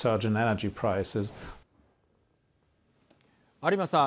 有馬さん。